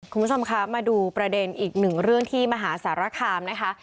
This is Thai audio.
คุณผู้ชมคะมาดูประเด็นอีกหนึ่งเรื่องที่มหาสารคามนะคะ